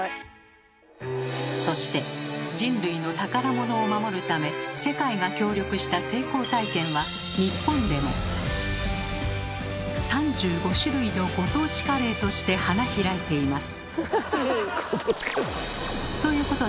そして人類の宝物を守るため世界が協力した成功体験は日本でも３５種類のご当地カレーとして花開いています。